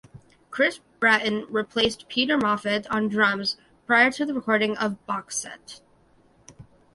Chris Bratton replaced Peter Moffett on drums prior to the recording of "Box Set".